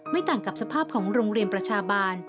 ต่างกับสภาพของโรงเรียนประชาบาล